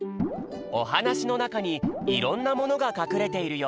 おはなしのなかにいろんなものがかくれているよ。